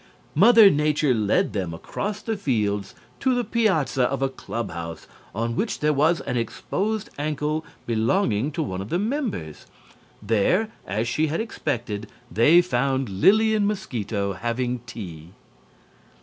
Mother Nature led them across the fields to the piazza of a clubhouse on which there was an exposed ankle belonging to one of the members. There, as she had expected, they found Lillian Mosquito having tea.